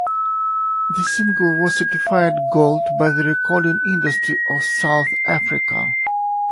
The single was certified Gold by the Recording Industry of South Africa.